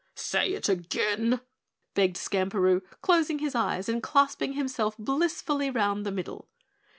"Say it again," begged Skamperoo, closing his eyes and clasping himself blissfully around the middle.